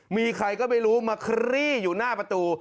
มีใครก็ไม่รู้มาคลี่อยู่หน้าประตู